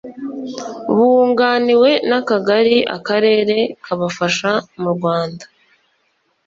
bunganiwe n akagari akarere kabafasha murwanda